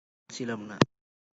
আমি এটা চাচ্ছিলাম না।